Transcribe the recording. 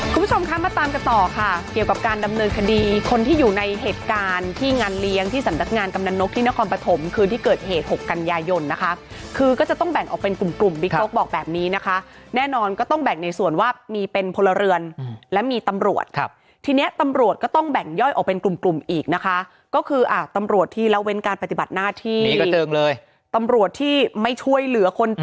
คุณผู้ชมคะมาตามกันต่อค่ะเกี่ยวกับการดำเนินคดีคนที่อยู่ในเหตุการณ์ที่งานเลี้ยงที่สรรดักงานกำหนดนกที่นครปฐมคือที่เกิดเหตุหกกัญญายนนะคะคือก็จะต้องแบ่งออกเป็นกลุ่มกลุ่มบิ๊กโก๊กบอกแบบนี้นะคะแน่นอนก็ต้องแบ่งในส่วนว่ามีเป็นพลเรือนและมีตำรวจครับที่เนี้ยตำรวจก็ต้องแบ่งย่อยออกเป็นกล